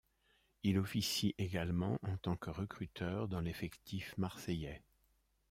Il officie également en tant que recruteur dans l'effectif marseillais.